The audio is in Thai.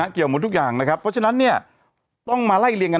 เพราะฉะนั้นต้องมาไล่เรียน